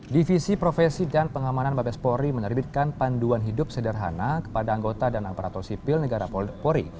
divisi profesi dan pengamanan mabespori menerbitkan panduan hidup sederhana kepada anggota dan aparatur sipil negara polri